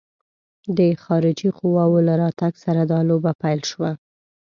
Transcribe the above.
د خارجي قواوو له راتګ سره دا لوبه پیل شوه.